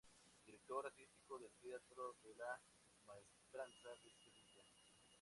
Es director artístico del Teatro de la Maestranza de Sevilla.